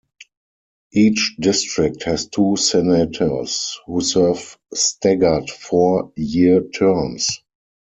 Each district has two senators who serve staggered four-year terms.